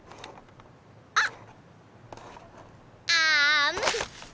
あっ！